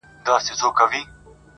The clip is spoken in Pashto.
گوره ځوانـيمـرگ څه ښـه وايــي.